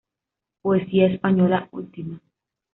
Poesía española última.